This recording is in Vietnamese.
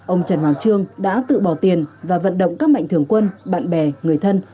ông trần hoàng trương đã tự bỏ tiền và vận động các mạnh thường quân bạn bè người thân